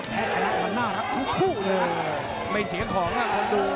แผ่วหรือเปล่า